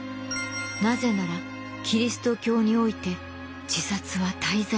なぜならキリスト教において自殺は大罪でした。